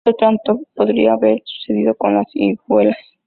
Otro tanto podría haber sucedido con las higueras.